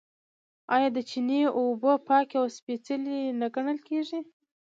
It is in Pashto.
آیا د چینې اوبه پاکې او سپیڅلې نه ګڼل کیږي؟